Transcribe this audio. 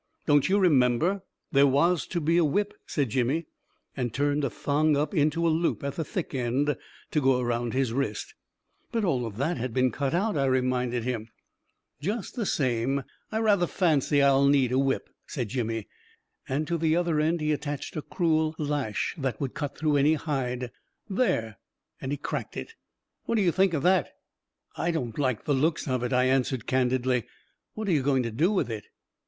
" Don't you remember, there was to be a whip," said Jimmy, and turned a thong up into a loop at the thick end to go around his wrist. " But all that has been cut out," I reminded him. 334 A KING IN BABYLON 11 Just the same, I rather fancy I'll need a whip/ 1 said Jimmy, and to the other end he attached a cruel lash that would cut through any hide. " There I " and he cracked it. " What do you think of that 1 "" I don't like the looks of it," I answered candidly. " What are you going to do with it?